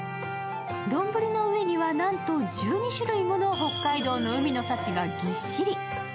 丼の上にはなんと１２種類の海の幸がぎっしり。